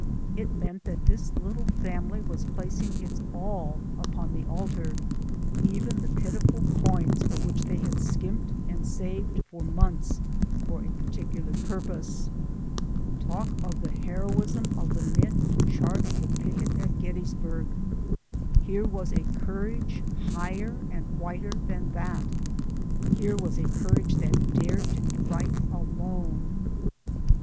It meant that this little family was placing its all upon the altar even the pitiful coins for which they had skimped and saved for months for a particular purpose. Talk of the heroism of the men who charged with Pickett at Gettysburg! Here was a courage higher and whiter than that; here was a courage that dared to fight alone.